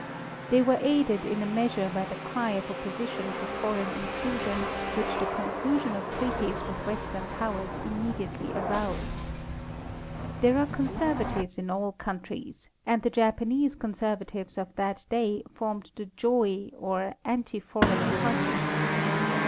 They were aided in a measure by the cry of opposition to foreign in trusion which the conclusion of treaties with western powers immediately aroused. Thtre are conservatives in all countries, and the Japanese conservatives of that day formed the Joi or anti foreign party.